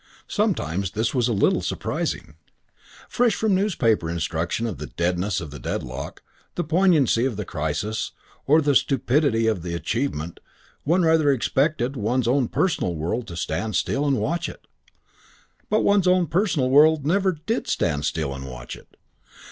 III Sometimes this was a little surprising. Fresh from newspaper instruction of the deadness of the deadlock, the poignancy of the crisis, or the stupendity of the achievement, one rather expected one's own personal world to stand still and watch it. But one's own personal world never did stand still and watch it.